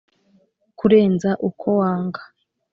kurenza uko wanga !